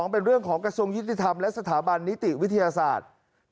เป็นเรื่องของกระทรวงยุติธรรมและสถาบันนิติวิทยาศาสตร์